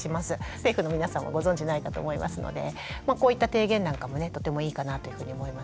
政府の皆さんもご存じないかと思いますのでこういった提言なんかもねとてもいいかなというふうに思います。